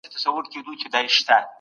له جنګ او جګړو څخه کرکه وکړئ.